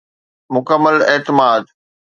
مڪمل اعتماد.